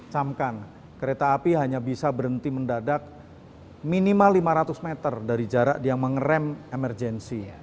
camkan kereta api hanya bisa berhenti mendadak minimal lima ratus meter dari jarak dia mengerem emergensi